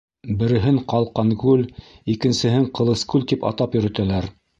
Береһен - Ҡалҡанкүл, икенсеһен Ҡылыскүл тип атап йөрөтәләр.